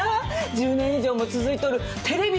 １０年以上も続いとるテレビ